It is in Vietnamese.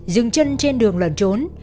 dừng chân trên đường lợn trốn